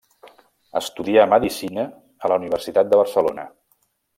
Estudià medicina a la Universitat de Barcelona.